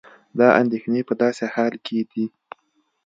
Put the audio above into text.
دا اندېښنې په داسې حال کې دي